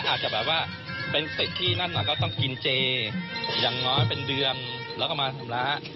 อาจจะแบบเป็นเสร็จที่นั่นก็ต้องกินเจอยังเป็นเรื่องแล้วก็มาทำร้า